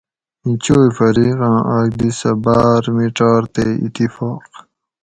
ایں چوئ فریقاں آک دی سہ باۤر میڄار تے اتفاق